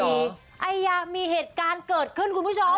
ไอยามีเหตุการณ์เกิดขึ้นคุณผู้ชม